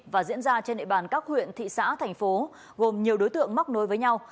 và diễn ra trên địa bàn các huyện thị xã thành phố gồm nhiều đối tượng móc nối với nhau